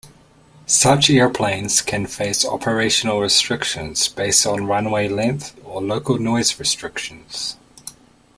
Such airplanes can face operational restrictions based on runway length or local noise restrictions.